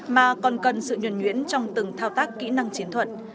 mà còn cần sự nhuận nhuyễn trong từng thao tác kỹ năng chiến thuật